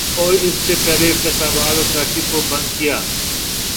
اور اس سے پہلے فیصل آباد اور کراچی کو بند کیا